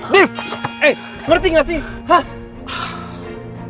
div ngerti gak sih